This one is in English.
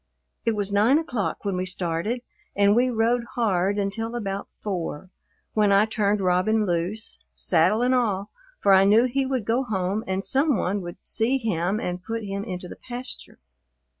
It was nine o'clock when we started and we rode hard until about four, when I turned Robin loose, saddle and all, for I knew he would go home and some one would see him and put him into the pasture.